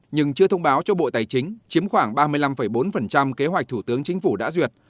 nhưng chưa thông báo cho bộ tài chính chiếm khoảng ba mươi năm bốn kế hoạch thủ tướng chính phủ đã duyệt